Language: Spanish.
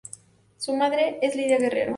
Su madre es Lidia Guerrero.